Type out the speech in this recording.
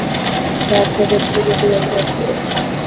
বাচ্চাদের থেকে দূরে থাকবে।